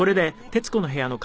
『徹子の部屋』は